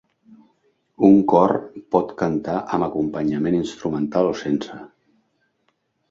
Un cor pot cantar amb acompanyament instrumental o sense.